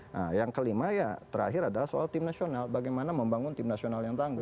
nah yang kelima ya terakhir adalah soal tim nasional bagaimana membangun tim nasional yang tangguh